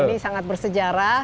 ini sangat bersejarah